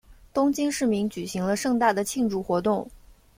东京市民举行了盛大的庆祝活动。